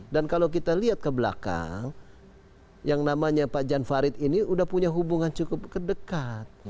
dan kalau kita lihat ke belakang yang namanya pak jan farid ini sudah punya hubungan cukup kedekat